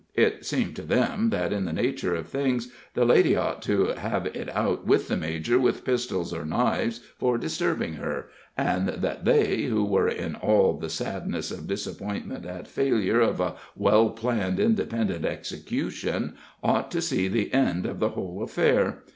It seemed to them that, in the nature of things, the lady ought to have it out with the major with pistols or knives for disturbing her, and that they, who were in all the sadness of disappointment at failure of a well planned independent execution, ought to see the end of the whole affair.